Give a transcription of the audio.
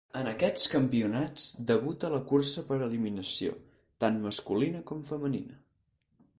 En aquests campionats debuta la cursa per eliminació, tant masculina com femenina.